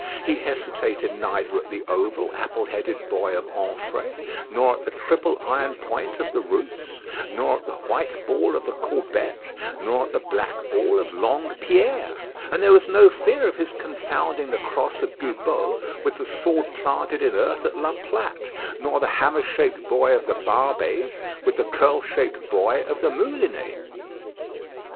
He hesitated neither at the oval, apple headed buoy of Anfré, nor at the triple iron point of the Rousse, nor at the white ball of the Corbette, nor at the black ball of Longue Pierre; and there was no fear of his confounding the cross of Goubeau with the sword planted in earth at La Platte, nor the hammer shaped buoy of the Barbées with the curled tail buoy of the Moulinet.